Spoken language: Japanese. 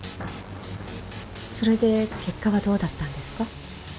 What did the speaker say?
それで結果はどうだったんですか？